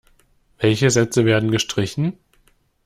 Welche Sätze werden gestrichen?